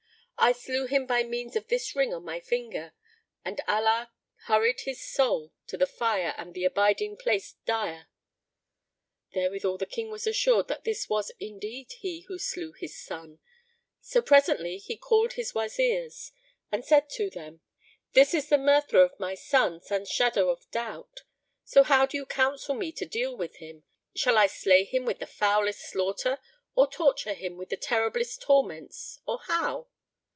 I slew him by means of this ring on my finger, and Allah hurried his soul to the fire and the abiding place dire." Therewithal the King was assured that this was indeed he who slew his son; so presently he called his Wazirs and said to them, "This is the murtherer of my son sans shadow of doubt: so how do you counsel me to deal with him? Shall I slay him with the foulest slaughter or torture him with the terriblest torments or how?"